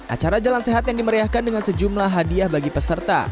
acara jalan sehat yang dimeriahkan dengan sejumlah hadiah bagi peserta